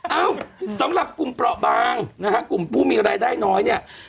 เอ้าสำหรับกลุ่มเปราะบางนะฮะกลุ่มผู้มีรายได้น้อยเนี่ย